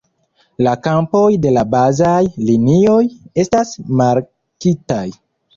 La kampoj de la bazaj linioj estas markitaj.